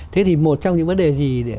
thế thì một trong những vấn đề gì